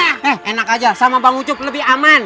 eh enak aja sama bang ucuk lebih aman